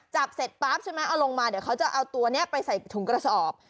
จับเสร็จปั๊บใช่ไหมเอาลงมาเดี๋ยวเขาจะเอาตัวนี้ไปใส่ถุงกระสอบ